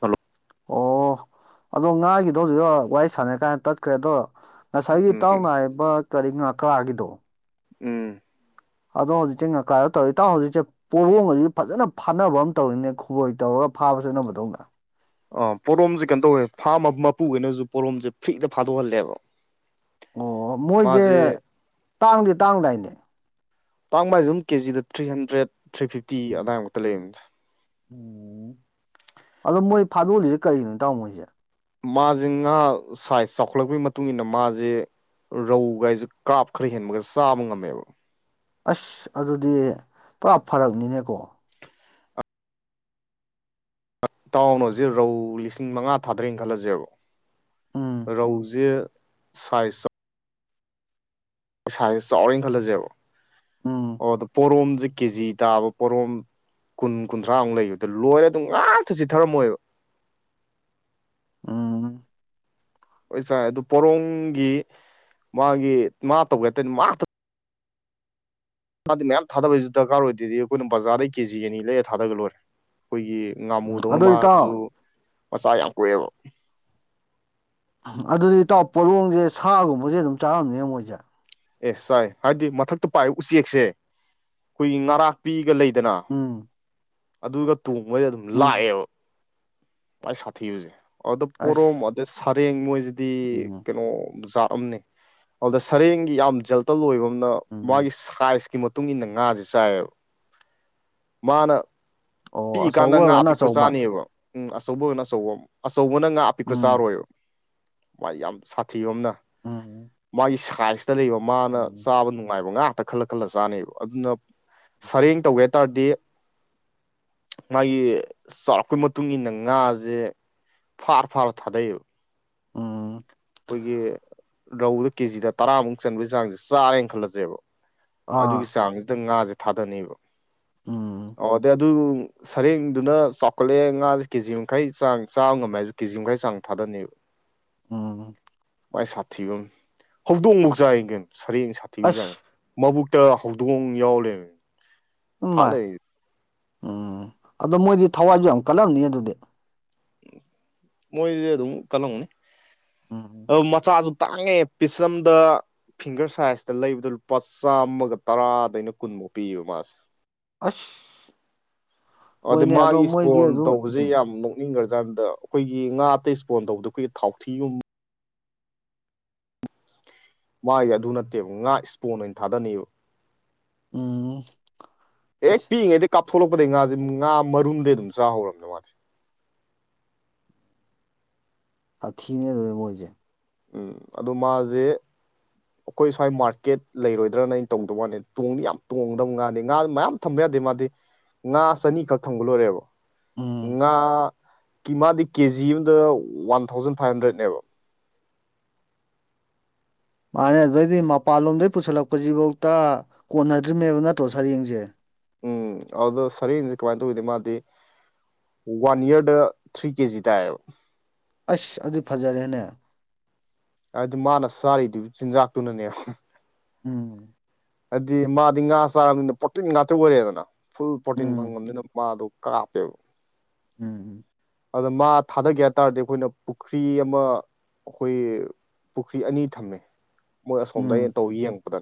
Hello ꯑꯣ ꯑꯗꯣ ꯉꯥꯒꯤꯗꯣ ꯍꯧꯖꯤꯛ ꯑ ꯋꯥꯔꯤ ꯁꯥꯟꯅꯔꯤ ꯀꯥꯟꯗ ꯇꯠꯈ꯭ꯔꯦ ꯗꯣ ꯉꯁꯥꯏꯒꯤ ꯎꯝ ꯢꯇꯥꯎꯅꯥ ꯍꯥꯏꯔꯤꯕ ꯀꯔꯤ ꯉꯥꯀ꯭ꯔꯥ ꯒꯤꯗꯣ ꯎꯝ ꯑꯗꯣ ꯍꯧꯖꯤꯛꯆꯦ ꯉꯀ꯭ꯔꯥꯗ ꯇꯧꯋꯤ ꯢꯇꯥꯎ ꯍꯧꯖꯤꯛꯆꯦ ꯄꯣꯔꯣꯡꯒꯖꯦ ꯐꯖꯅ ꯐꯥꯅꯕ ꯑꯝ ꯇꯧꯋꯤꯅꯦ ꯈꯣꯏ ꯇꯧꯔꯒ ꯐꯥꯕ ꯆꯠꯅꯕꯗꯧꯅ ꯑꯥ ꯄꯣꯔꯣꯝꯖꯦ ꯀꯩꯟ ꯇꯧꯋꯦ ꯐꯥꯝ ꯃ ꯃꯄꯨꯒꯩꯅꯖꯨ ꯄꯣꯔꯣꯝꯖꯦ ꯐ꯭ꯔꯤꯗ ꯐꯥꯗꯣꯛꯍꯜꯂꯦꯕ ꯑꯣ ꯃꯣꯏꯖꯦ ꯃꯥꯁꯦ ꯇꯥꯡꯗꯤ ꯇꯥꯡꯗꯥꯏꯅꯦ ꯇꯥꯡꯕ ꯍꯥꯏꯖꯦꯑꯨꯝ ꯀꯦꯖꯤꯗ ꯊ꯭ꯔꯤ ꯍꯟꯗ꯭ꯔꯦꯗ ꯊ꯭ꯔꯤ ꯐꯤꯐꯇꯤ ꯎꯝ ꯑꯗꯥꯏꯃꯨꯛꯇ ꯂꯩꯕꯅꯤꯗ ꯎꯝ ꯑꯗꯣ ꯃꯣꯏ ꯐꯥꯗꯣꯛꯂꯤꯖꯦ ꯀꯔꯤꯒꯤꯅꯣ ꯢꯇꯥꯎ ꯃꯣꯏꯖꯦ ꯃꯥꯖꯦ ꯉꯥ ꯁꯥꯏꯖ ꯆꯥꯎꯈꯠꯂꯛꯄꯒꯤ ꯃꯇꯨꯡ ꯃꯇꯨꯡꯏꯟꯅ ꯃꯥꯖꯦ ꯔꯧꯒꯥꯏꯖꯨ ꯀꯥꯞ ꯈꯔ ꯍꯦꯟꯕꯒ ꯆꯥꯕ ꯉꯝꯃꯦꯕ ꯑꯁ ꯑꯗꯨꯗꯤ ꯄꯨꯔꯥ ꯐꯔꯛꯅꯤꯅꯦꯀꯣ ꯑꯠ ꯇꯥꯎꯅ ꯍꯧꯖꯤꯛ ꯔꯧ ꯂꯤꯁꯤꯡ ꯃꯉꯥ ꯊꯥꯗꯔꯦꯟ ꯈꯜꯂꯖꯦꯕ ꯎꯝ ꯔꯧꯖꯦ ꯁꯥꯏꯁ ꯆꯥ__ ꯁꯥꯥꯏꯖ ꯆꯥꯎꯔꯦꯟ ꯈꯜꯂꯖꯦꯕ ꯎꯝ ꯑꯣ ꯑꯗꯣ ꯄꯣꯔꯣꯝꯖꯦ ꯀꯦꯖꯤ ꯇꯥꯕ ꯄꯣꯔꯣꯝ ꯀꯨꯟ ꯀꯨꯟꯊ꯭ꯔꯥꯃꯨꯛ ꯂꯩꯕꯗꯣ ꯂꯣꯏꯔꯦ ꯑꯗꯨꯝ ꯉꯥꯛꯇ ꯆꯤꯠꯊꯔꯝꯃꯣꯏꯕ ꯎꯝ ꯍꯣꯏ ꯆꯥꯏ ꯑꯗꯨ ꯄꯣꯔꯣꯡꯒꯤ ꯃꯥꯒꯤ ꯃꯥ ꯇꯧꯒꯦ ꯍꯥꯏ ꯇꯥꯗꯤ ꯃꯥꯛ ꯇ__ ꯃꯥꯗꯤ ꯃꯌꯥꯝ ꯊꯥꯗꯕꯩꯖꯨ ꯗꯔꯀꯥꯔ ꯑꯣꯏꯗꯦꯗꯤ ꯑꯈꯣꯏꯅ ꯕꯖꯥꯔꯗꯩ ꯀꯦꯖꯤ ꯑꯅꯤ ꯂꯩꯔ ꯊꯥꯗꯒ꯭ꯔ ꯂꯣꯏꯔꯦ ꯈꯣꯏꯒꯤ ꯎꯝ ꯉꯥꯃꯨꯗꯧꯅ ꯑꯗꯨ ꯏꯇꯥꯎ ꯃꯥꯖꯨ ꯃꯆꯥ ꯌꯥꯝ ꯀꯣꯛꯑꯦꯕ ꯑꯗꯨꯗꯤ ꯏꯇꯥꯎ ꯄꯣꯔꯣꯡꯖꯦ ꯁꯥꯒꯨꯝꯕꯖꯦ ꯑꯗꯨꯝ ꯆꯥꯔꯝꯅꯦ ꯃꯣꯏꯖꯦ ꯑꯦ ꯆꯥꯏ ꯍꯥꯏꯗꯤ ꯃꯊꯛꯇ ꯄꯥꯏꯕ ꯎꯆꯦꯛꯆꯦ ꯑꯈꯣꯏꯒꯤ ꯉꯔꯥꯛꯄꯤꯒ ꯂꯩ__ ꯗꯦꯅꯥ ꯎꯝ ꯑꯗꯨꯒ ꯇꯣꯡꯕꯩꯗ ꯑꯗꯨꯝ ꯎꯝ ꯂꯥꯛꯑꯦꯕ ꯃꯥꯏ ꯁꯥꯊꯤꯕꯖꯦ ꯑꯗ ꯑꯁ ꯄꯣꯔꯣꯝ ꯑꯗꯩ ꯁꯔꯦꯡ ꯃꯣꯏꯖꯤ__ ꯗꯤ ꯎꯝ ꯀꯅꯣ ꯖꯥꯠ ꯑꯝꯅꯦ ꯑꯥꯎꯗ ꯁꯔꯦꯡꯒꯤ ꯌꯥꯝ ꯖꯦꯜꯇꯜ ꯑꯣꯏꯕ ꯅ ꯎꯝ ꯃꯥꯒꯤ ꯁꯥꯏꯖꯀꯤ ꯃꯇꯨꯡ ꯏꯟꯅ ꯉꯥꯖꯦ ꯆꯥꯏꯌꯦꯕ ꯃꯥꯅ ꯑꯣ ꯄꯤꯛꯏꯀꯥꯟꯗ ꯑꯆꯧꯕ ꯉꯥ ꯑꯣꯏꯔꯒꯅ ꯑꯄꯤꯛꯄ ꯑꯆꯧꯕ ꯆꯥꯅꯦꯕ ꯎꯝ ꯑꯆꯧꯕ ꯑꯣꯏꯅ ꯑꯆꯧꯕ ꯑꯆꯧꯕꯅ ꯉꯥ ꯑꯄꯤꯛꯄ ꯎꯝ ꯆꯥꯔꯣꯏꯕ ꯃꯥꯏ ꯌꯥꯝ ꯁꯥꯊꯤꯕ ꯑꯝꯅ ꯎꯝ ꯃꯥꯒꯤ ꯁꯥꯏꯖꯇ ꯂꯩꯕ__ ꯃꯥꯅ ꯎꯝ ꯆꯥꯕ ꯅꯨꯡꯉꯥꯏꯕ ꯉꯥ ꯈꯇ ꯈꯜꯂ ꯈꯜꯂ ꯆꯥꯅꯦꯕ ꯑꯗꯨꯅ ꯁꯥꯔꯦꯡ ꯇꯧꯒꯦ ꯍꯥꯏ ꯇꯥꯔꯗꯤ ꯃꯥꯒꯤ ꯆꯥꯎꯔꯛꯄꯩ ꯃꯇꯨꯡꯏꯟꯅ ꯉꯥꯖꯦ ꯐꯥꯔ ꯐꯥꯔ ꯊꯥꯗꯩꯑꯦꯕ ꯎꯝ ꯈꯣꯏꯒꯤ ꯔꯧꯗ ꯀꯦꯖꯤꯗ ꯇꯔꯥꯃꯨꯛ ꯆꯟꯕꯩ ꯆꯥꯡꯖꯦ ꯆꯥꯔꯦꯅ ꯈꯜꯂꯖꯦꯕ ꯑꯗꯨꯒꯤ ꯑꯥ ꯆꯥꯡꯗꯨꯗ ꯉꯥꯖꯦ ꯊꯥꯗꯅꯦꯕ ꯎꯝ ꯑꯣ ꯑꯗꯩ ꯑꯗꯨ ꯁꯔꯦꯡꯗꯨꯅ ꯆꯥꯎꯈꯠꯂꯑꯦ ꯉꯥꯖꯦ ꯀꯦꯖꯤ ꯃꯈꯥꯏ ꯆꯥꯡ ꯆꯥꯃ ꯉꯝꯃꯦ ꯍꯥꯏꯖꯨ ꯀꯦꯖꯤ ꯃꯈꯥꯏ ꯆꯥꯡ ꯊꯥꯗꯅꯦꯕ ꯎꯝ ꯃꯥꯏ ꯁꯥꯊꯤꯕꯝꯅꯤ ꯍꯧꯗꯣꯡꯕꯣꯛ ꯆꯥꯏ ꯒꯩꯅꯣ ꯁꯔꯦꯡ ꯁꯥꯊꯤꯕꯩ ꯑꯁ ꯆꯥꯡꯖꯦ ꯃꯕꯨꯛꯇ ꯍꯧꯗꯣꯡ ꯌꯥꯎ ꯂꯩꯔꯝꯃꯤ ꯎ ꯊꯥ ꯃꯥꯏ ꯂꯩꯔꯤ ꯎꯝ ꯑꯗꯣ ꯃꯣꯏꯗꯤ ꯊꯋꯥꯏꯖꯨ ꯌꯥꯝ ꯀꯜꯂꯝꯅꯤ ꯑꯗꯨꯗꯤ ꯃꯣꯏꯗꯤ ꯑꯗꯨꯝ ꯀꯜꯂꯝꯒꯅꯤ ꯎꯝ ꯑꯗꯨ ꯃꯆꯥꯖꯨ ꯇꯥꯡꯉꯦ ꯄꯤꯁ ꯑꯝꯗ ꯐꯤꯡꯒꯔ ꯁꯥꯏꯖꯇ ꯂꯩꯕꯗ ꯂꯨꯄꯥ ꯆꯥꯝꯃꯒ ꯇꯔꯥꯗꯩꯅ ꯀꯨꯟꯃꯨꯛ ꯄꯤꯌꯦꯕ ꯃꯥꯁꯦ ꯑꯁ ꯑꯗ ꯍꯣꯏꯅꯦ ꯑꯗꯣ ꯃꯥꯒꯤ ꯃꯣꯏꯗꯤ ꯏꯁꯄꯣꯟ ꯑꯗꯨꯝ ꯇꯧꯕꯖꯦ ꯎꯝ ꯌꯥꯝ ꯅꯣꯛ ꯅꯤꯡꯒ꯭ꯔꯖꯥꯟꯗ ꯑꯈꯣꯏꯒꯤ ꯉꯥ ꯑꯇꯩ ꯏꯁꯄꯣꯟ ꯇꯧꯕꯗ ꯈꯣꯏꯒꯤ ꯊꯥꯎꯊꯤꯒꯨꯝ ꯃꯥꯒꯤ ꯑꯗꯨ ꯅꯠꯇꯦꯕ ꯉꯥ ꯏꯁꯄꯣꯟ ꯑꯣꯏꯅ ꯊꯥꯗꯅꯦꯕ ꯎꯝ ꯍꯦꯛ ꯑꯁ ꯄꯤꯛꯏꯉꯩꯗꯩ ꯀꯥꯞ ꯊꯣꯛꯂꯛꯄꯗꯩ ꯉꯥꯖꯦ ꯉꯥ ꯃꯔꯨꯝꯗꯩ ꯑꯗꯨꯝ ꯆꯥꯍꯧꯔꯕꯅꯦ ꯃꯥꯗꯤ ꯁꯥꯊꯤꯅꯦ ꯑꯗꯨꯗꯤ ꯃꯣꯏꯖꯦ ꯎꯝ ꯑꯗꯣ ꯃꯥꯖꯦ ꯑꯈꯣꯏ ꯁ꯭ꯋꯥꯏ ꯃꯥꯔꯀꯦꯠ ꯂꯩꯔꯣꯏꯗ꯭ꯔꯅ ꯑꯩꯅ ꯇꯧꯗꯕ ꯋꯥꯅꯤ ꯇꯣꯡꯗꯤ ꯌꯥꯝ ꯇꯣꯡꯒꯗꯧ ꯉꯥꯅꯦ ꯉꯥꯗꯣ ꯃꯌꯥꯝ ꯊꯝꯕ ꯌꯥꯗꯦ ꯃꯥꯗꯤ ꯉꯥ ꯆꯅꯤꯈꯛ ꯊꯝꯒ ꯂꯣꯏꯔꯦꯕ ꯎꯝ ꯉꯥ ꯀꯤ ꯃꯥꯗꯤ ꯀꯦꯖꯤ ꯑꯝꯗ ꯋꯥꯟ ꯊꯥꯎꯖꯟ ꯐꯥꯏꯚ ꯍꯟꯗ꯭ꯔꯦꯠꯅꯦꯕ ꯃꯥꯅꯦ ꯑꯗꯨꯗꯩꯗꯤ ꯃꯄꯥꯟꯂꯣꯝꯗꯩ ꯄꯨꯁꯜꯂꯛꯄꯖꯤꯕꯧꯇ ꯀꯣꯟꯅꯗ꯭ꯔꯤꯅꯦꯕ ꯅꯠꯇ꯭ꯔꯣ ꯁꯔꯦꯡꯁꯦ ꯎꯝ ꯑꯧꯗ ꯁꯔꯦꯡꯖꯦ ꯀꯃꯥꯏꯅ ꯇꯧꯋꯤꯗ ꯃꯥꯗꯤ ꯋꯥꯟ ꯌꯔꯗ ꯊ꯭ꯔꯤ ꯀꯦꯖꯤ ꯇꯥꯏꯌꯦꯕ ꯑꯁ ꯑꯗꯨ ꯐꯖꯔꯦꯅꯦ ꯑꯗꯨ ꯃꯥꯅ ꯆꯥꯔꯤꯗꯨ ꯆꯤꯟꯖꯥꯛꯇꯨꯅꯅꯦ ꯎꯝ ꯑꯗꯤ ꯃꯥꯗꯤ ꯉꯥ ꯆꯥꯔꯕꯅꯤꯅ ꯄ꯭ꯔꯣꯇꯤꯟ ꯉꯥꯛꯇ ꯑꯣꯏꯔꯦꯗꯅꯥ ꯐꯨꯜ ꯄ꯭ꯔꯣꯇꯤꯟ ꯎꯝ ꯐꯪꯉꯕꯅꯤꯅ ꯃꯥꯗꯣ ꯀ꯭ꯔꯥꯞꯄꯦꯕ ꯎꯝ ꯑꯗ ꯃꯥ ꯊꯥꯗꯒꯦ ꯍꯥꯏ ꯇꯥꯔꯗꯤ ꯑꯈꯣꯏꯅ ꯄꯨꯈ꯭ꯔꯤ ꯑꯃ ꯑꯈꯣꯏꯒꯤ ꯄꯨꯈ꯭ꯔꯤ ꯑꯅꯤ ꯊꯝꯃꯦ ꯃꯣꯏ ꯑꯁꯣꯝꯗ ꯎꯝ ꯑꯩꯅ ꯇꯧ ꯌꯦꯡꯉꯛꯄꯗ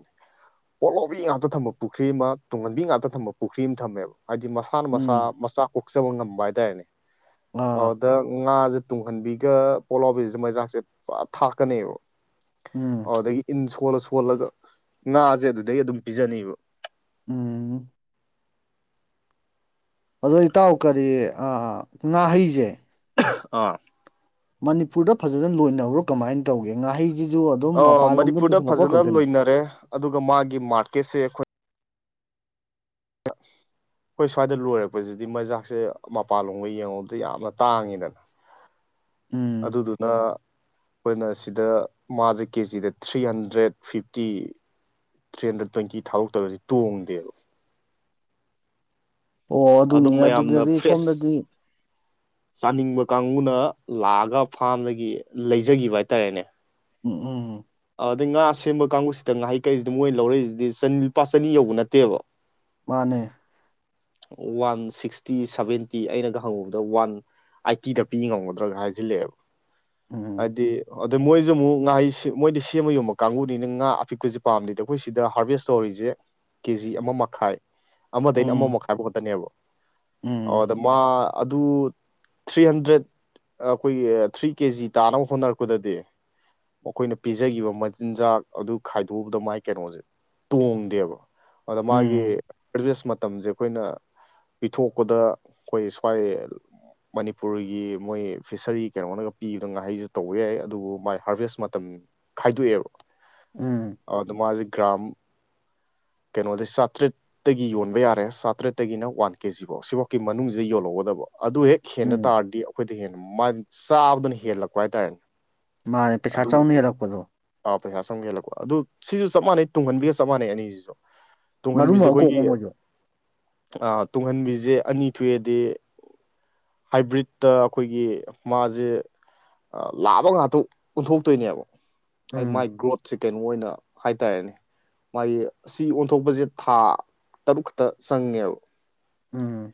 ꯄꯣꯠꯂꯣꯕꯤ ꯉꯥꯛꯇ ꯊꯝꯕ ꯄꯨꯈ꯭ꯔꯤ ꯃ ꯇꯨꯡꯍꯟꯕꯤ ꯉꯥꯛꯇ ꯊꯝꯕ ꯄꯨꯈ꯭ꯔꯤ ꯑꯝ ꯊꯝꯃꯦꯕ ꯍꯥꯏꯗꯤ ꯃꯁꯥꯅ ꯃꯁꯥ ꯎꯝ ꯃꯆꯥ ꯀꯣꯛꯆꯕ ꯉꯝꯕ ꯍꯥꯏꯇꯥꯔꯦꯅꯦ ꯑꯥ ꯑꯧꯗ ꯉꯥꯖꯦ ꯇꯨꯡꯍꯟꯕꯤꯒ ꯄꯣꯂꯥꯎꯕꯤꯒꯖꯦ ꯃꯩꯖꯥꯛꯁꯦ ꯐ ꯊꯥꯛꯀꯅꯦꯕ ꯎꯝ ꯑꯗꯒꯤ ꯏꯟ ꯁꯣꯜꯂ ꯁꯣꯜꯂꯒ ꯉꯥꯁꯦ ꯑꯗꯨꯗꯩ ꯑꯗꯨꯝ ꯄꯤꯖꯅꯤꯕ ꯎꯝ ꯑꯗꯣ ꯏꯇꯥꯎ ꯀꯔꯤ ꯑ ꯉꯥꯍꯩꯖꯦ ꯑꯥ ꯃꯅꯤꯄꯨꯔꯗ ꯐꯖꯅ ꯂꯣꯏꯅꯕ꯭ꯔꯣ ꯀꯃꯥꯏꯟ ꯇꯧꯒꯦ ꯉꯥꯍꯩ ꯑꯧ ꯃꯅꯤꯄꯨꯔꯗ ꯐꯖꯅ ꯂꯣꯏꯅꯔꯦ ꯑꯗꯨꯒ ꯃꯥꯒꯤ ꯃꯥꯔꯀꯦꯠꯁꯦ ꯈꯣꯏ [inaudible] ꯈꯣꯏ ꯁ꯭ꯋꯥꯏꯗ ꯂꯣꯏꯔꯛꯄꯖꯤꯗꯤ ꯃꯩꯖꯥꯛꯁꯦ ꯃꯄꯥꯟꯂꯣꯝꯒ ꯌꯦꯡꯉꯨꯕꯗ ꯌꯥꯝꯅ ꯇꯥꯡꯉꯤꯗꯅ ꯎꯝ ꯑꯗꯨꯗꯨꯅ ꯈꯣꯏꯅ ꯁꯤꯗ ꯃꯥꯖꯦ ꯀꯦꯖꯤꯗ three hundred fifty three hundred twenty ꯊꯥꯎ ꯇꯥꯎꯗ꯭ꯔꯗꯤ ꯇꯣꯡꯗꯦꯕ ꯑꯣ ꯑꯗꯨꯅꯤ ꯑꯗꯨꯝ ꯃꯌꯥꯝꯅ ꯑꯗꯨꯗꯗꯤ ꯐ꯭ꯔꯦꯁ꯫ ꯁꯣꯝꯗꯗꯤ ꯆꯥꯅꯤꯡꯕ ꯀꯥꯡꯕꯨꯅ ꯂꯥꯛꯑꯒ ꯐꯥꯝꯗꯒꯤ ꯂꯩꯖꯒꯤꯕ ꯍꯥꯏꯇꯥꯔꯦꯅꯦ꯫ ꯎ ꯎꯡ ꯑꯧꯗꯩ ꯉꯥ ꯁꯦꯝꯕ ꯀꯥꯡꯕꯨꯁꯤꯗ ꯉꯥꯍꯩ ꯀꯛꯏꯖꯤꯗꯤ ꯃꯣꯏꯅ ꯂꯧꯔꯛꯏꯖꯤꯗꯤ ꯆꯟ ꯂꯨꯄꯥ ꯆꯅꯤ ꯌꯧꯕ ꯅꯠꯇꯦꯕ꯫ ꯃꯥꯅꯦ ꯋꯥꯟ ꯁꯤꯛꯁꯇꯤ ꯁꯚꯦꯟꯇꯤ ꯑꯩꯅꯒ ꯍꯪꯉꯨꯕꯗ ꯋꯥꯟ ꯑꯥꯏꯇꯤꯗ ꯄꯤ ꯉꯝꯒꯗ꯭ꯔꯥꯒ ꯍꯥꯏꯖꯤꯜꯂꯦꯕ ꯎꯝ ꯑꯗꯤ ꯑꯗ ꯃꯣꯏꯖꯦ ꯃꯨꯛ ꯉꯍꯩ ꯃꯣꯏꯗꯤ ꯁꯦꯝꯃ ꯌꯣꯟꯕ ꯀꯥꯡꯕꯨꯅꯤꯅ ꯉꯥ ꯑꯄꯤꯛꯄꯁꯦ ꯄꯥꯝꯗꯦꯗ ꯑꯩꯈꯣꯏ ꯁꯤꯗ ꯍꯥꯔꯚꯦꯁ ꯇꯧꯔꯤꯖꯦ ꯀꯦꯖꯤ ꯑꯃ ꯃꯈꯥꯏ ꯑꯃꯗꯩꯅ ꯑꯃ ꯎꯝ ꯃꯈꯥꯏꯕꯧ ꯈꯠꯇꯅꯦꯕ ꯎꯝ ꯑꯧꯗ ꯃꯥ ꯑꯗꯨ꯫ ꯊ꯭ꯔꯤ ꯍꯟꯗ꯭ꯔꯦꯠ ꯑ ꯈꯣꯏꯒꯤ ꯊ꯭ꯔꯤ ꯀꯦꯖꯤ ꯇꯥꯅꯕ ꯍꯣꯠꯅꯔꯛꯄꯗꯗꯤ꯫ ꯑꯈꯣꯏꯅ ꯄꯤꯖꯒꯤꯕ ꯃꯆꯤꯟꯖꯥꯛ ꯑꯗꯨ ꯈꯥꯏꯗꯣꯛꯎꯕꯗ ꯃꯥꯢ ꯀꯩꯅꯣꯖꯦ ꯇꯣꯡꯗꯦꯕ꯫ ꯑꯗ ꯃꯥꯒꯤ ꯎꯝ ꯔꯦꯁ ꯃꯇꯝꯖꯦ꯫ ꯈꯣꯏꯅ ꯄꯤꯊꯣꯛꯄꯗ ꯈꯣꯏ ꯁ꯭ꯋꯥꯢ꯫ ꯃꯅꯤꯄꯨꯔꯒꯤ ꯃꯣꯏ ꯐꯤꯁꯔꯤ ꯀꯩꯅꯣꯅꯒ ꯄꯤꯕꯗ ꯉꯥꯍꯩꯖꯦ ꯇꯧꯕ ꯌꯥꯏ ꯑꯗꯨꯕꯨ ꯃꯥꯏ ꯍꯥꯔꯚꯦꯁ ꯃꯇꯝ꯫ ꯈꯥꯏꯗꯣꯛꯑꯦꯕ ꯎꯝ ꯑꯧꯗ ꯃꯥꯖꯦ ꯒ꯭ꯔꯥꯝ꯫ ꯀꯩꯅꯣꯗꯤ ꯆꯥꯇ꯭ꯔꯤꯠ꯫ ꯇꯒꯤ ꯌꯣꯟꯕ ꯌꯥꯔꯦ ꯆꯥꯇ꯭ꯔꯦꯠꯇꯒꯤꯅ ꯋꯥꯟ ꯀꯦꯖꯤꯕꯧ ꯁꯤꯕꯧꯎꯛꯀꯤ ꯃꯅꯨꯡꯖꯤꯗ ꯌꯣꯜꯍꯧꯒꯗꯕ ꯑꯗꯨ ꯍꯦꯛ꯫ ꯈꯦꯟꯅ ꯎꯝ ꯇꯥꯔꯗꯤ ꯑꯩꯈꯣꯏꯗꯩ ꯍꯦꯟꯅ ꯃꯥꯟ ꯆꯥꯕꯗꯅ ꯍꯦꯜꯂꯛꯄ ꯍꯥꯏꯇꯥꯔꯦꯅꯦ꯫ ꯃꯥꯅꯦ ꯄꯩꯁꯥ ꯆꯥꯎꯅ ꯍꯦꯜꯂꯛꯄꯗꯣ꯫ ꯑꯥ ꯄꯩꯁꯥ ꯆꯪꯕ ꯍꯦꯜꯂꯛꯄ ꯑꯗꯨ ꯁꯤꯖꯨ ꯆꯞ ꯃꯥꯟꯅꯩ ꯇꯨꯡꯍꯟꯕꯤꯒ ꯆꯞ ꯃꯥꯟꯅꯩ ꯑꯅꯤꯖꯤꯖꯨ꯫ ꯃꯔꯨꯝ ꯇꯨꯡꯍꯟꯕꯤꯖꯦ ꯑꯃ ꯈꯣꯏꯒꯤ ꯀꯣꯛꯄ ꯃꯣꯏꯁꯨ ꯑꯥ ꯇꯨꯡꯍꯟꯕꯤꯖꯦ ꯑꯅꯤ ꯊꯣꯛꯑꯦꯗꯤ꯫ ꯍꯥꯏꯕ꯭ꯔꯤꯠꯇ ꯑꯈꯣꯏꯒꯤ ꯃꯥꯖꯦ꯫ ꯑꯥ ꯂꯥꯕ ꯉꯥꯠꯇ ꯑꯣꯟꯊꯣꯛꯇꯣꯏꯅꯦꯕ꯫ ꯍꯥꯏ ꯃꯥꯏ ꯎꯝ ꯒ꯭ꯔꯣꯠꯁꯦ ꯀꯩꯅꯣ ꯑꯣꯏꯅ ꯍꯥꯏꯇꯥꯔꯦꯅꯦ ꯃꯥꯒꯤ꯫ ꯁꯤ ꯑꯣꯟꯊꯣꯛꯄꯁꯦ ꯊꯥ ꯇꯔꯨꯛ ꯈꯠꯇ ꯆꯪꯉꯦꯕ꯫ ꯎꯝ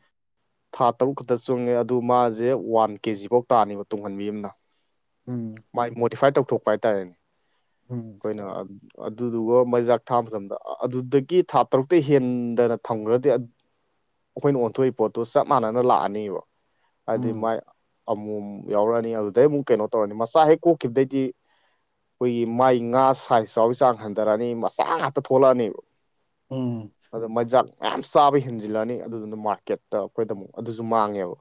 ꯊꯥ ꯇꯔꯨꯛ ꯈꯠꯇ ꯆꯨꯉꯦ ꯑꯗꯨ ꯃꯥꯖꯦ ꯋꯥꯟ ꯀꯦꯖꯤꯕꯧ ꯇꯥꯅꯤꯕ ꯇꯨꯡꯍꯟꯕꯤ ꯑꯝꯅ꯫ ꯎꯝ ꯃꯥꯏ ꯃꯣꯗꯤꯐꯥꯏꯠ ꯇꯧꯊꯣꯛꯄ ꯍꯥꯏꯇꯥꯔꯦꯅꯦ ꯎꯝ ꯑꯩꯈꯣꯏꯅ꯫ ꯑꯗꯨꯗꯨꯒ ꯃꯩꯖꯥꯛ ꯊꯥ ꯃꯇꯝꯗ ꯑꯗꯨꯗꯒꯤ ꯊꯥ ꯇꯔꯨꯛꯇꯩ ꯍꯦꯟꯗꯅ ꯊꯝꯒꯔ꯭ꯗꯤ ꯑꯗ ꯑꯩꯈꯣꯏꯅ ꯑꯣꯟꯊꯣꯛꯏ ꯄꯣꯠꯇꯣ ꯆꯞ ꯃꯥꯟꯅꯅ ꯂꯥꯛꯑꯅꯤꯕ ꯍꯥꯏꯗꯤ ꯎꯝ ꯃꯥꯏ ꯑꯃꯣꯝ ꯌꯥꯎꯔꯛꯑꯅꯤ ꯑꯗꯨꯗꯩ ꯑꯃꯨꯛ ꯀꯩꯅꯣ ꯇꯧꯔꯅꯤ ꯃ ꯆꯥ ꯍꯦꯛ ꯀꯣꯛꯈꯤꯕꯗꯩꯗꯤ꯫ ꯈꯣꯏꯒꯤ ꯃꯥꯏ ꯉꯥ ꯁꯥꯏꯖ ꯆꯥꯎꯕꯩ ꯆꯥꯡ ꯍꯟꯊꯔꯛꯑꯅꯤ ꯃꯆꯥ ꯉꯥꯛꯇ ꯊꯣꯛꯂꯛꯑꯅꯤꯕ꯫ ꯎꯝ ꯑꯗꯣ ꯃꯥꯖꯥꯛ ꯃꯌꯥꯝ ꯆꯥꯕ ꯍꯦꯟꯖꯤꯜꯂꯛꯑꯅꯤ ꯑꯗꯨꯗꯨꯅ ꯃꯥꯔꯀꯦꯠꯇ ꯑꯩꯈꯣꯏꯗ ꯑꯃꯨꯛ ꯑꯗꯨꯖꯨ ꯃꯥꯡꯉꯦꯕ꯫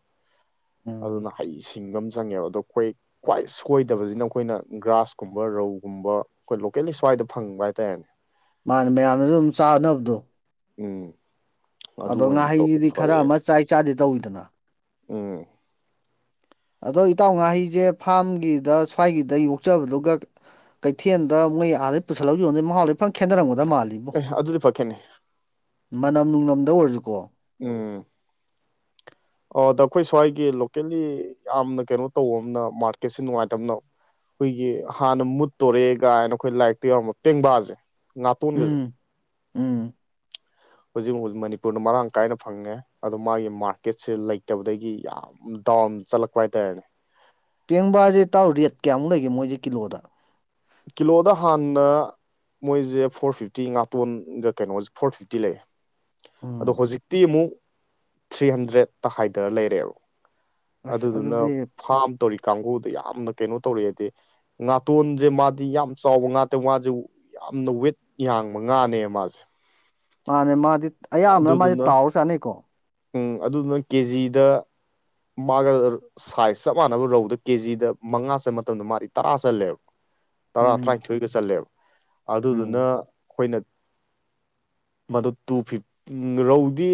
ꯎꯝ ꯑꯗꯨꯅ ꯍꯩ ꯁꯤꯡꯕ ꯑꯝ ꯆꯪꯉꯦꯕ ꯑꯗꯣ ꯈꯣꯏ ꯈꯋ꯭ꯥꯏ ꯁꯣ ꯀꯣꯏꯗꯕꯖꯤꯅ ꯑꯩꯈꯣꯏꯅ ꯒ꯭ꯔꯥꯁꯀꯨꯝꯕ ꯔꯧꯒꯨꯝꯕ ꯑꯩꯈꯣꯏ ꯂꯣꯀꯦꯜꯂꯤ ꯁ꯭ꯋꯥꯏꯗ ꯐꯪꯕ ꯍꯥꯏꯇꯥꯔꯦꯅꯦ꯫ ꯃꯥꯅꯦ ꯃꯌꯥꯝꯅꯖꯨ ꯑꯗꯨꯝ ꯆꯥꯅꯕꯗꯣ꯫ ꯎꯝ ꯑꯗꯨ ꯑꯗꯣ ꯑꯣꯏꯅ ꯇꯧꯕ ꯉꯥꯍꯩꯗꯨꯗꯤ ꯈꯔ ꯐꯔꯦ ꯑꯃ ꯆꯥꯏ ꯆꯥꯗꯦ ꯇꯧꯋꯤꯗꯅ꯫ ꯎꯝ ꯑꯗꯣ ꯏꯇꯥꯎ ꯉꯥꯍꯩꯖꯦ ꯐꯥꯔꯝꯒꯤꯗ ꯁ꯭ꯋꯥꯏꯒꯤꯗ ꯌꯣꯛꯆꯕꯗꯨꯒ꯫ ꯀꯩꯊꯦꯟꯗ ꯃꯣꯏ ꯑꯥꯗꯩ ꯄꯨꯁꯜꯂꯒ ꯌꯣꯟꯗꯧ ꯃꯍꯥꯎꯗꯤ ꯐꯖꯅ ꯈꯦꯠꯅꯔꯝꯒꯗꯕ ꯃꯥꯜꯂꯤ꯫ ꯑꯦ ꯑꯗꯨꯗꯤ ꯐꯥ ꯈꯦꯠꯅꯩ ꯃꯅꯝ ꯅꯨꯡꯂꯝꯗ ꯑꯣꯏꯔꯁꯨꯀꯣ ꯎꯝ ꯑꯣ ꯑꯗ ꯑꯩꯈꯣꯏ ꯁ꯭ꯋꯥꯏꯒꯤ ꯂꯣꯀꯦꯜꯂꯤ ꯌꯥꯝꯅ ꯀꯩꯅꯣ ꯇꯧꯕ ꯑꯃꯅ ꯃꯥꯔꯀꯦꯠꯁꯦ ꯅꯨꯡꯉꯥꯏꯇꯕꯅ ꯑꯩꯈꯣꯏꯒꯤ ꯍꯥꯟꯅ ꯃꯨꯠꯇꯧꯔꯦ ꯒꯥꯏꯅ ꯑꯩꯈꯣꯏ ꯂꯥꯏꯔꯤꯛꯇ ꯌꯥꯎꯔꯝꯕ ꯄꯦꯡꯕꯥꯖꯦ ꯎꯝ ꯎꯝ ꯍꯧꯖꯤꯛ ꯃꯨꯛ ꯃꯅꯤꯄꯨꯔꯅ ꯃꯔꯥꯡ ꯀꯥꯏꯅ ꯐꯪꯉꯦ ꯑꯗꯣ ꯃꯥꯒꯤ ꯃꯥꯔꯀꯦꯠꯁꯦ ꯂꯩꯇꯕꯗꯒꯤ ꯌꯥꯝ ꯗꯥꯎꯟ ꯆꯠꯂꯛꯄ ꯍꯥꯏꯇꯥꯔꯦꯅꯦ ꯄꯦꯡꯕꯥꯁꯦ ꯏꯇꯥꯎ ꯔꯦꯠ ꯀꯌꯥꯃꯨꯛ ꯂꯩꯒꯦ ꯃꯣꯏꯁꯦ ꯀꯤꯂꯣꯗ ꯀꯤꯂꯣꯗ ꯍꯥꯟꯅ ꯃꯣꯏꯁꯦ ꯐꯣꯔ ꯐꯤꯞꯇꯤ ꯉꯥꯇꯣꯟꯒ ꯀꯩꯅꯣꯒꯁꯦ ꯐꯣꯔ ꯐꯤꯞꯇꯤ ꯂꯩꯌꯦ ꯑꯗꯣ ꯎꯝ ꯍꯧꯖꯤꯛꯇꯤ ꯑꯃꯨꯛ ꯊ꯭ꯔꯤ ꯍꯟꯗ꯭ꯔꯦꯇ ꯍꯥꯏꯊꯔ ꯂꯩꯔꯦꯑꯦꯕ ꯑꯁ ꯑꯗꯨꯗꯨꯅ ꯑꯗꯨꯗꯤ ꯐꯥꯝ ꯇꯧꯔꯤ ꯀꯥꯡꯕꯨꯗ ꯌꯥꯝꯅ ꯀꯩꯅꯣ ꯇꯧꯔꯦꯑꯦꯗꯤ ꯉꯥꯇꯣꯟꯖꯦ ꯃꯥ ꯗꯤ ꯌꯥꯝ ꯆꯥꯎꯕ ꯉꯥꯇ ꯃꯥꯁꯦ ꯌꯥꯝꯅ ꯋꯦꯠ ꯌꯥꯡꯕ ꯉꯥꯅꯦꯃ ꯃꯥꯖꯦ ꯃꯥꯅꯦ ꯃꯥꯗꯤ ꯑꯌꯥꯝꯕꯅ ꯃꯥꯗꯤ ꯑꯗꯨꯗꯨꯅ ꯇꯥꯎꯔ ꯆꯥꯅꯩꯀꯣ ꯎꯝ ꯑꯗꯨꯗꯨꯅ ꯀꯦ ꯖꯤꯗ ꯃꯥꯒ ꯁꯥꯏꯖ ꯆꯞ ꯃꯥꯟꯅꯕ ꯔꯧꯗ ꯀꯦ ꯖꯤꯗ ꯃꯉꯥ ꯆꯟꯕ ꯃꯇꯝꯗ ꯃꯥꯗꯤ ꯇꯔꯥ ꯆꯜꯂꯦꯕ ꯇꯔꯥ ꯎꯝ ꯇꯔꯥꯅꯤꯊꯣꯏꯒ ꯆꯜꯂꯦꯕ ꯑꯗꯨꯗꯨꯅ ꯎꯝ ꯑꯩꯈꯣꯏꯅ ꯃꯗꯨ ꯇꯨ ꯐꯤꯐ ꯔꯧꯗꯤ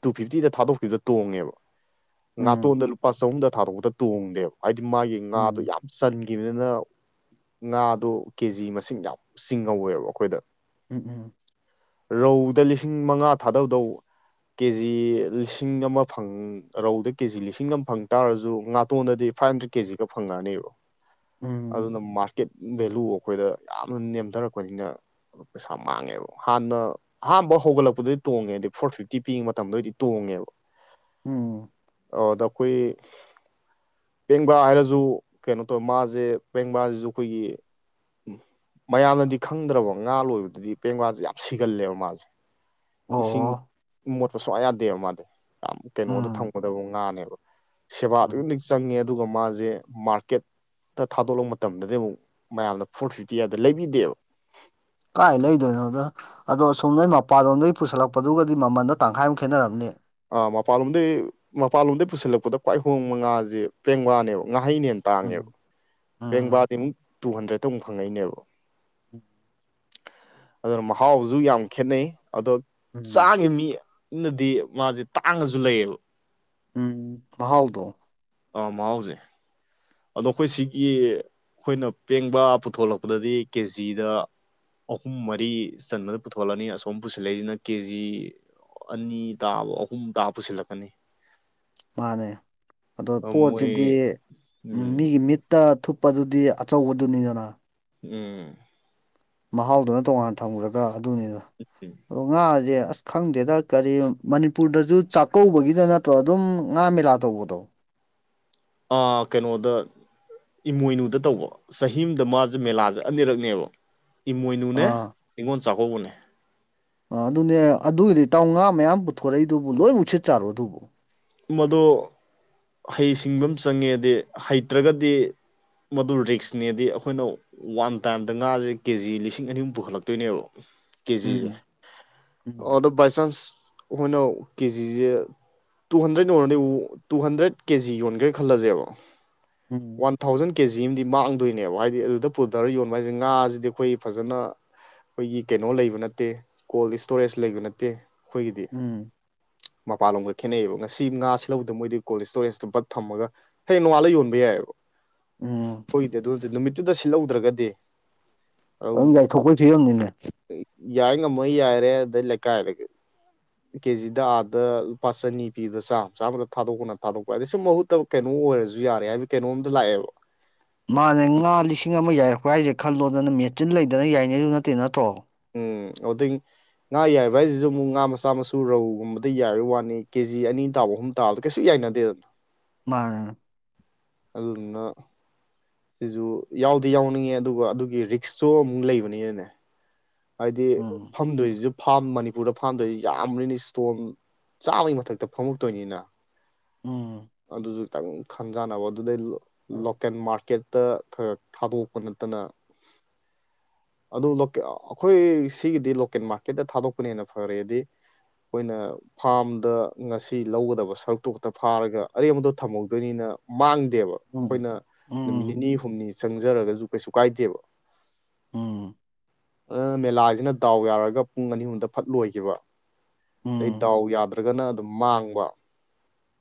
ꯇꯨ ꯐꯤꯐꯇꯤꯗ ꯊꯥꯗꯣꯛꯈꯤꯕꯗ ꯇꯣꯡꯉꯦꯕ ꯎꯝ ꯉꯥꯇꯣꯟꯗ ꯂꯨꯄꯥ ꯆꯍꯨꯝꯗ ꯊꯥꯗꯣꯛꯄꯗ ꯇꯣꯡꯗꯦꯕ ꯍꯥꯏꯗꯤ ꯃꯥꯒꯤ ꯉꯥꯗꯣ ꯎꯝ ꯌꯥꯝ ꯆꯟ ꯒꯤꯕꯅꯤꯅ ꯉꯥꯗꯣ ꯀꯦ ꯖꯤ ꯃꯁꯤꯡ ꯌꯥꯝ ꯆꯤꯡꯍꯧꯋꯦꯕ ꯑꯩꯈꯣꯏꯗ ꯎꯝ ꯎꯝ ꯔꯧꯗ ꯂꯤꯁꯤꯡ ꯃꯉꯥ ꯊꯥꯗꯗꯧ ꯀꯦ ꯖꯤ ꯂꯤꯁꯤꯡ ꯑꯃ ꯐꯪ ꯔꯧꯗ ꯀꯦ ꯖꯤ ꯂꯤꯁꯤꯡ ꯑꯃ ꯐꯪ ꯇꯥꯔꯖꯨ ꯉꯥꯇꯣꯟꯗꯗꯤ ꯐꯥꯏꯚ ꯍꯟꯗ꯭ꯔꯦꯠ ꯀꯦ ꯖꯤꯒ ꯐꯪꯉꯛꯑꯥꯅꯦꯕ ꯎꯝ ꯑꯗꯨꯅ ꯃꯥꯔꯀꯦꯠ ꯚꯦꯂꯨ ꯑꯩꯈꯣꯏꯗ ꯌꯥꯝꯅ ꯅꯦꯝꯗꯔꯛꯄꯅꯤꯅ ꯄꯩꯁꯥ ꯃꯥꯡꯉꯦꯕ ꯍꯥꯟꯅ ꯑꯍꯥꯟꯕ ꯍꯧꯒꯠꯂꯛꯄꯗꯗꯤ ꯇꯣꯡꯉꯦ ꯐꯣꯔ ꯐꯤꯐꯇꯤ ꯄꯤꯛꯏ ꯃꯇꯝꯗ ꯑꯣꯏꯔꯗꯤ ꯇꯣꯡꯉꯦꯕ ꯎꯝ ꯑꯣ ꯑꯗ ꯑꯩꯈꯣꯏ ꯄꯦꯡꯕꯥ ꯍꯥꯏꯔꯖꯨ ꯀꯩꯅꯣ ꯇꯧꯋꯦ ꯃꯥꯁꯦ ꯄꯦꯡꯕꯥꯖꯤꯖꯨ ꯑꯈꯣꯏꯒꯤ ꯎꯝ ꯃꯌꯥꯝꯅꯗꯤ ꯈꯪꯗ꯭ꯔꯕ ꯉꯥ ꯂꯣꯏꯕꯗꯨꯗꯤ ꯄꯦꯡꯕꯥꯖꯦ ꯌꯥꯝ ꯁꯤꯒꯜꯂꯦꯕ ꯃꯥꯖꯦ ꯑꯣ ꯃꯣꯠꯄ ꯁꯨꯛꯌꯥ ꯌꯥꯗꯦꯕ ꯃꯥꯗꯤ ꯌꯥꯝ ꯀꯩꯅꯣꯗ ꯎꯝ ꯊꯝꯒꯗꯕ ꯉꯥꯅꯦꯕ ꯁꯦꯕꯥ ꯑꯗꯨꯛꯀꯤ ꯎꯝ ꯃꯇꯤꯛ ꯆꯪꯉꯦ ꯑꯗꯨꯒ ꯃꯥꯖꯦ ꯃꯥꯔꯀꯦꯠ ꯇꯥ ꯊꯥꯗꯣꯛꯂꯛꯄ ꯃꯇꯝꯗꯗꯤ ꯑꯃꯨꯛ ꯃꯌꯥꯝꯅ ꯐꯣꯔ ꯐꯤꯐꯇꯤ ꯑꯗ ꯂꯩꯕꯤꯗꯦꯕ ꯀꯥꯏ ꯂꯩꯗꯣꯏꯅꯣꯗ ꯑꯗꯣ ꯑꯁꯣꯝꯗꯒꯤ ꯃꯄꯥꯟꯂꯣꯝꯗꯒꯤ ꯄꯨꯁꯜꯂꯛꯄꯗꯨꯒꯗꯤ ꯃꯃꯜꯗꯣ ꯇꯪꯈꯥꯏꯃꯨꯛ ꯈꯦꯠꯅꯔꯝꯅꯤ ꯑꯥ ꯃꯄꯥꯟ ꯂꯣꯝꯗꯩ ꯃꯄꯥꯟꯂꯣꯝꯗꯒꯤꯩ ꯄꯨꯁꯤꯜꯂꯛꯄꯗ ꯈ꯭ꯋꯥꯏ ꯍꯣꯡꯕ ꯉꯥꯖꯦ ꯄꯦꯡꯕꯅꯦꯕ ꯉꯥꯍꯩꯅꯦ ꯎꯝ ꯇꯥꯡꯉꯦꯕ ꯎꯝ ꯄꯦꯡꯕꯥꯗꯤ ꯑꯃꯨꯛ ꯇꯨ ꯍꯟꯗ꯭ꯔꯦꯗꯇ ꯑꯃꯨꯛ ꯐꯪꯉꯛꯏꯅꯦꯕ [unintelligible] ꯑꯗꯨꯅ ꯃꯍꯥꯎꯖꯨ ꯌꯥꯝ ꯈꯦꯠꯅꯩ ꯑꯗꯣ ꯎꯝ ꯆꯥꯒꯤ ꯃꯤ ꯅꯗꯤ ꯃꯥꯖꯦ ꯇꯥꯡꯉꯖꯨ ꯂꯩꯌꯦꯕ ꯎꯝ ꯃꯍꯥꯎꯗꯣ ꯑꯥ ꯃꯍꯥꯎꯖꯦ ꯑꯗꯣ ꯑꯩꯈꯣꯏ ꯁꯤꯒꯤ ꯑꯩꯈꯣꯏꯅ ꯄꯦꯡꯕꯥ ꯄꯨꯊꯣꯛꯂꯛꯄꯗꯗꯤ ꯀꯦꯖꯤꯗ ꯑꯍꯨꯝ ꯃꯔꯤ ꯆꯟꯕꯗ ꯄꯨꯊꯣꯛꯂꯅꯤ ꯑꯁꯣꯝ ꯄꯨꯁꯤꯜꯂꯛꯏꯖꯤꯅ ꯀꯦ ꯖꯤ ꯑꯅꯤ ꯇꯥꯕ ꯑꯍꯨꯝ ꯇꯥꯕ ꯄꯨꯁꯤꯜꯂꯛꯀꯅꯤ ꯃꯥꯅꯦ ꯑꯗꯣ ꯄꯣꯠꯁꯤꯗꯤ ꯃꯣꯏ ꯎꯝ ꯃꯤꯒꯤ ꯃꯤꯠꯇ ꯊꯨꯞ ꯥꯄꯗꯨꯗꯤ ꯑꯆꯧꯕꯗꯨꯅꯤꯗꯅ ꯎꯝ ꯃꯍꯥꯎꯗꯨꯅ ꯇꯣꯉꯥꯟꯅ ꯊꯝꯒ꯭ꯔꯒ ꯑꯗꯨꯅꯤꯗ ꯅꯠꯇꯦ ꯑꯗ ꯉꯥꯖꯦ ꯑꯁ ꯈꯪꯗꯦꯗ ꯀꯔꯤ ꯃꯅꯤꯄꯨꯔꯗꯁꯨ ꯆꯥꯛꯀꯧꯕꯒꯤꯗ ꯅꯠꯇ꯭ꯔꯣ ꯑꯗꯨꯝ ꯉꯥ ꯃꯦꯂꯥ ꯇꯧꯕꯗꯣ ꯑꯥ ꯀꯩꯅꯣꯗ ꯏꯃꯣꯏꯅꯨꯗ ꯇꯧꯕ ꯆꯍꯤ ꯑꯃꯗ ꯃꯥꯖꯦ ꯃꯦꯂꯥꯖꯦ ꯑꯅꯤꯔꯛꯅꯦꯕ ꯏꯃꯣꯏꯅꯨꯅꯦ ꯑꯥ ꯅꯤꯡꯉꯣꯟ ꯆꯥꯛꯀꯧꯕꯅꯦ ꯑ ꯑꯗꯨꯅꯦ ꯑꯗꯨꯏꯗꯤ ꯏꯇꯥꯎ ꯉꯥ ꯃꯌꯥꯝ ꯄꯨꯊꯣꯔꯛꯏꯗꯨꯕꯨ ꯂꯣꯏꯃꯛ ꯁꯤꯠ ꯆꯥꯔꯣ ꯑꯗꯨꯕꯨ ꯃꯗꯣ ꯍꯩꯁꯤꯡꯕ ꯑꯃ ꯆꯪꯉꯦꯗꯤ ꯍꯩꯇ꯭ꯔꯒꯗꯤ ꯃꯗꯨ ꯔꯤꯛꯁꯅꯦꯗꯤ ꯑꯩꯈꯣꯏꯅ ꯋꯥꯟ ꯇꯥꯏꯝꯗ ꯉꯥꯖꯦ ꯀꯦꯖꯤ ꯂꯤꯁꯤꯡ ꯑꯅꯤꯍꯨꯝ ꯄꯨꯈꯠꯂꯛꯇꯣꯏꯅꯦꯕ ꯀꯦꯖꯤꯖꯦ ꯎꯝ ꯎꯝ ꯑꯗꯣ ꯕꯥꯏ ꯆꯥꯟꯁ ꯍꯣꯏꯅ ꯀꯦꯖꯤꯖꯦ ꯇꯨ ꯍꯟꯗ꯭ꯔꯦꯗ ꯌꯧꯔꯗꯤ ꯇꯨ ꯍꯟꯗ꯭ꯔꯦꯗ ꯀꯦꯖꯤ ꯌꯣꯟꯒ꯭ꯔꯦ ꯈꯜꯂꯖꯦꯕ ꯎꯝ ꯋꯥꯟ ꯊꯥꯎꯖꯟ ꯀꯦꯖꯤ ꯑꯃꯗꯤ ꯃꯥꯡꯗꯨꯏꯅꯦꯕ ꯍꯥꯏꯗꯤ ꯑꯗꯨꯗ ꯄꯨꯗꯔꯥ ꯌꯣꯟꯕ ꯍꯥꯏꯖꯦ ꯉꯥꯖꯤꯗꯤ ꯑꯈꯣꯏ ꯐꯖꯅ ꯑꯩꯈꯣꯏꯒꯤ ꯀꯩꯅꯣ ꯂꯩꯕ ꯅꯠꯇꯦ ꯀꯣꯜ ꯏꯁꯇꯣꯔꯦꯖ ꯂꯩꯕ ꯅꯠꯇꯦ ꯑꯩꯈꯣꯏꯒꯤꯗꯤ ꯎꯝ ꯃꯄꯥꯟꯂꯣꯝꯒ ꯈꯦꯠꯅꯩꯕ ꯉꯁꯤ ꯉꯥ ꯁꯤꯠꯂꯧꯗ ꯃꯣꯏꯗꯤ ꯀꯣꯜ ꯏꯁꯇꯣꯔꯦꯖꯇ ꯕꯛ ꯊꯝꯃꯒ ꯍꯌꯦꯡ ꯅꯣꯡꯉꯥꯜꯂ ꯌꯣꯟꯕ ꯌꯥꯏꯌꯦꯕꯥ ꯎꯝ ꯑꯈꯣꯏꯗꯤ ꯑꯗꯨꯗꯤ ꯅꯠꯇꯦ ꯅꯨꯃꯤꯠꯇꯨꯗ ꯁꯤꯠꯂꯧꯗ꯭ꯔꯒꯗꯤ ꯑꯗꯨꯝ ꯌꯥꯥꯏ ꯊꯣꯛꯄꯩ ꯐꯤꯕꯝꯅꯤꯅꯦ ꯌꯥꯏ ꯉꯝꯃ ꯌꯥꯏꯔꯦ ꯑꯗꯩ ꯂꯩꯀꯥꯏꯗꯒꯤ ꯀꯦꯖꯤꯗ ꯑꯥꯗ ꯂꯨꯄꯥ ꯆꯅꯤ ꯄꯤꯕꯗ ꯆꯥꯝ ꯆꯥꯝꯗ ꯊꯥꯗꯣꯛꯄꯅ ꯊꯥꯗꯣꯛꯄ ꯍꯥꯏꯗꯤ ꯁꯨꯝ ꯃꯍꯨꯠꯇꯕ ꯀꯩꯅꯣ ꯑꯣꯏꯔꯖꯨ ꯌꯥꯔꯦ ꯍꯥꯏꯕꯒꯤ ꯀꯩꯅꯣꯝꯗ ꯂꯥꯛꯑꯦꯕ ꯃꯥꯅꯦ ꯉꯥ ꯂꯤꯁꯤꯡ ꯑꯃ ꯌꯥꯏꯔꯛꯄ ꯍꯥꯏꯖꯦ ꯈꯜꯂꯣꯗꯅ ꯃꯦꯆꯤꯟ ꯂꯩꯗꯅ ꯌꯥꯏꯅꯦꯖꯨ ꯅꯠꯇꯦ ꯅꯠꯇ꯭ꯔꯣ ꯎꯝ ꯑꯣꯗꯩ ꯉꯥ ꯌꯥꯏꯕ ꯍꯥꯏꯖꯤꯖꯨ ꯃꯨꯛ ꯉꯥ ꯃꯆꯥ ꯃꯁꯨ ꯔꯧꯒꯨꯝꯕꯗ ꯌꯥꯏꯕꯩ ꯋꯥꯅꯤ ꯀꯦꯖꯤ ꯑꯅꯤ ꯇꯥꯕ ꯍꯨꯝ ꯇꯥꯕꯗꯤ ꯀꯩꯁꯨ ꯌꯥꯏꯅꯗꯦꯗꯅ ꯃꯥꯅꯦ ꯑꯗꯨꯗꯨꯅ ꯁꯤꯁꯨ ꯌꯥꯎꯗꯤ ꯌꯥꯎꯅꯤꯡꯉꯦ ꯑꯗꯨꯒ ꯑꯗꯨꯒꯤ ꯔꯤꯛꯁꯁꯨ ꯑꯃꯨꯛ ꯂꯩꯕꯅꯤꯅꯅꯦ ꯍꯥꯏꯗꯤ ꯎꯝ ꯐꯝꯗꯣꯏꯖꯤꯁꯨ ꯐꯥꯝ ꯃꯅꯤꯄꯨꯔꯗ ꯐꯥꯝ ꯇꯧꯔꯤꯁꯤ ꯌꯥꯝꯕꯅꯤꯅ ꯏꯁꯇꯣꯟ ꯆꯥꯝꯃꯒꯤ ꯃꯊꯛꯇ ꯐꯝꯃꯛꯇꯣꯏꯅꯤꯅ ꯎꯝ ꯑꯗꯨꯁꯨ ꯈꯤꯇꯪ ꯈꯟꯖꯥꯟꯅꯕ ꯑꯗꯨꯗꯩ ꯂꯣꯀꯦꯜ ꯃꯥꯔꯀꯦꯠꯇ ꯈꯔ ꯊꯥꯗꯣꯛꯄ ꯅꯠꯇꯅ [inaudible] ꯑꯗꯨ ꯂꯣꯀꯦ ꯑꯩꯈꯣꯏ ꯁꯤꯒꯤꯗꯤ ꯂꯣꯀꯦꯜ ꯃꯥꯔꯀꯦꯠꯇ ꯊꯥꯗꯣꯛꯄꯅ ꯍꯦꯟꯅ ꯐꯔꯦꯗꯤ ꯑꯩꯈꯣꯏꯅ ꯐꯥꯔꯝꯗ ꯉꯁꯤ ꯂꯧꯒꯗꯕ ꯁꯔꯨꯛꯇꯨ ꯈꯛꯇ ꯐꯥꯔꯒ ꯑꯔꯦꯝꯕꯗꯣ ꯊꯝꯍꯧꯗꯣꯏꯅꯤꯅ ꯃꯥꯡꯗꯦꯕ ꯎꯝ ꯑꯈꯣꯏꯅ ꯅꯨꯃꯤꯠ ꯎꯝ ꯅꯤꯅꯤ ꯍꯨꯝꯅꯤ ꯆꯪꯖꯔꯒꯖꯨ ꯀꯩꯁꯨ ꯀꯥꯏꯗꯦꯕ ꯎꯝ ꯑꯥ ꯃꯦꯂꯥꯁꯤꯅ ꯗꯥꯎ ꯌꯥꯔꯒ ꯄꯨꯡ ꯑꯅꯤ ꯑꯍꯨꯝꯗ ꯐꯠ ꯂꯣꯏꯒꯤꯕ ꯑꯗꯩ ꯎꯝ ꯗꯥꯎ ꯌꯥꯗ꯭ꯔꯒꯅ ꯑꯗꯨꯝ ꯃꯥꯡꯕ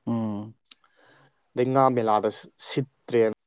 ꯎꯝ ꯑꯗꯩ ꯉꯥ ꯃꯦꯂꯥꯗꯁꯨ ꯁꯤꯠ